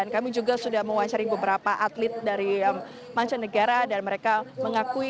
kami juga sudah menguasai beberapa atlet dari mancanegara dan mereka mengakui